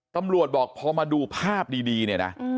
ตำรวจบอกพอมาดูภาพดีเนี่ยนะ